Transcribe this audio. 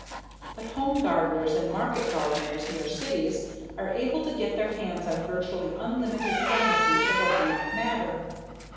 But home gardeners and market gardeners near cities are able to get their hands on virtually unlimited quantities of organic matter.